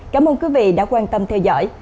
cảm ơn quý vị đã quan tâm theo dõi